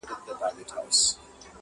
څه لښکر لښکر را ګورې څه نیزه نیزه ږغېږې,